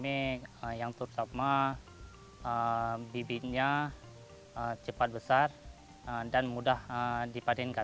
budidaya udang faname yang terutama bibitnya cepat besar dan mudah dipanenkan